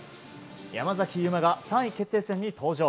山崎悠麻が３位決定戦に登場。